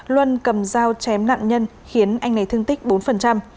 luân cầm dao chém nạn nhân khiến anh này thương tích bốn